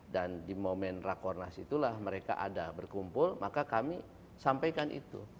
dan di momen rakornas itulah mereka ada berkumpul maka kami sampaikan itu